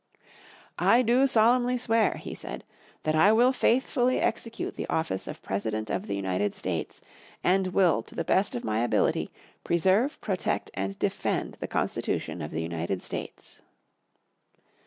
"I do solemnly swear," he said, "that I will faithfully execute the office of President of the United States, and will, to the best of my ability, preserve, protect and defend the Constitution of the United States."